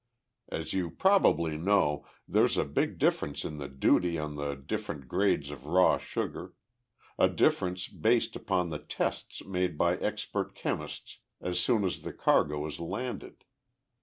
As you probably know, there's a big difference in the duty on the different grades of raw sugar; a difference based upon the tests made by expert chemists as soon as the cargo is landed.